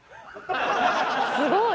すごい！